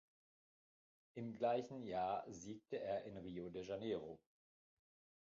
Im gleichen Jahr siegte er in Rio de Janeiro.